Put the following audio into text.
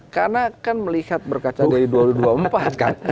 karena kan melihat berkaca dari dua ribu dua puluh empat kan